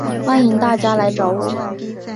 欢迎大家来找我